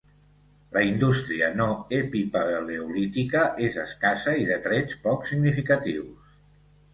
La indústria no epipaleolítica és escassa i de trets poc significatius.